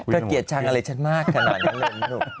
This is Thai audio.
ก็เกลียดชังอะไรฉันมากขนาดนี้เลยนะลูก